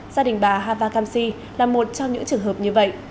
gia đình bà hava kamsi là một trong những trường hợp như vậy